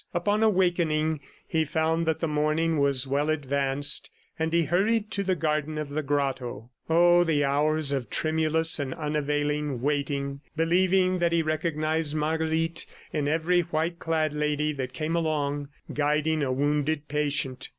Upon awaking he found that the morning was well advanced, and he hurried to the garden of the grotto. ... Oh, the hours of tremulous and unavailing waiting, believing that he recognized Marguerite in every white clad lady that came along, guiding a wounded patient!